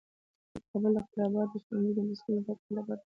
د کابل د خراباتو ښوونځی د موسیقي زده کړې لپاره تاسیس شو.